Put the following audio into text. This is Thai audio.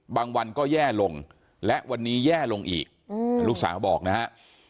บางวันก็แย่ลงและวันนี้แย่ลงอีกลูกสาวบอกนะฮะ